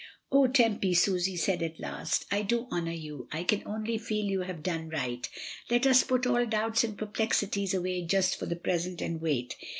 "O Tempy!" Susy said at last, "I do honour you; I can only feel you have done right. Let us put all doubts and perplexities away just for the present and wait.